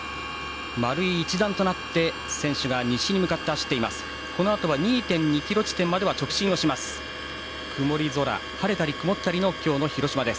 丸い一団となって選手が西に向かって走っています。